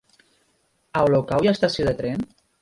A Olocau hi ha estació de tren?